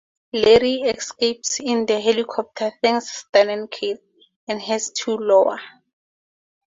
Larry escapes in the helicopter, thanks Stan and Kyle, and heads to Iowa.